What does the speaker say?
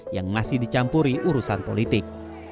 yang masih dicampuri urusan politik